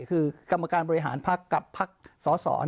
คือกรรมการบริหารพักกับพักสส